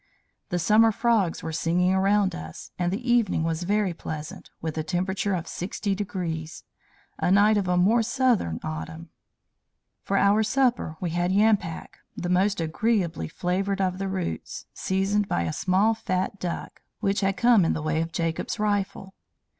The summer frogs were singing around us, and the evening was very pleasant, with a temperature of 60 degrees a night of a more southern autumn. For our supper, we had yampak, the most agreeably flavored of the roots, seasoned by a small fat duck, which had come in the way of Jacob's rifle.